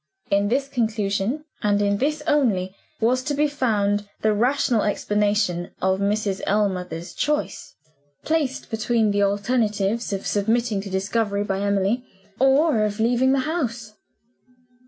In this conclusion, and in this only, was to be found the rational explanation of Mrs. Ellmother's choice placed between the alternatives of submitting to discovery by Emily, or of leaving the house.